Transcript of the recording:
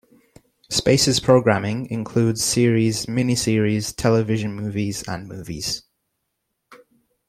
Space's programming includes series, miniseries, television movies, and movies.